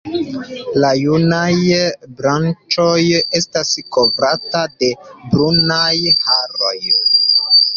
La junaj branĉoj estas kovrata de brunaj haroj.